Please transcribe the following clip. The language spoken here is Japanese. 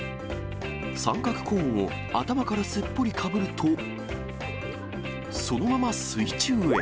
三角コーンを頭からすっぽりかぶると、そのまま水中へ。